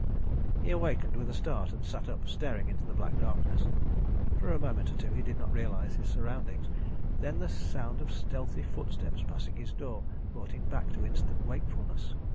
He awakened with a start, and sat up, staring into the black darkness. For a moment or two he did not realise his surroundings, then the sound of stealthy footsteps passing his door brought him back to instant wakefulness.